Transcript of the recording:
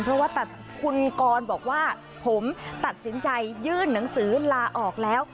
เพราะว่าแต่คุณกรบอกว่าผมตัดสินใจยื่นหนังสือลาออกแล้ว